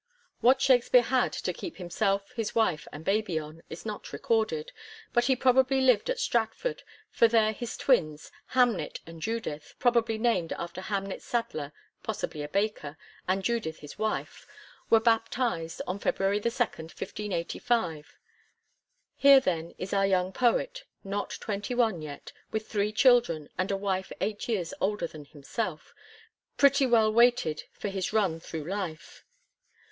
What Shakspere had to keep himself, his wife, and baby on, is not recorded ; but he probably livd at Stratford, for there his twins, Hamnet and Judith — probably named after Hamnet Sadler (possibly a baker) and Judith his wife— were baptised on February 2, 1585 (1684r 5). Here, then, is our young poet, not twenty one, yet with three children, and a wife eight years older than himself, pretty well weighted for his run thru life.